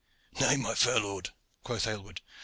"Nay, my fair lord," quoth Aylward.